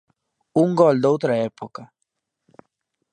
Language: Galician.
Un gol doutra época.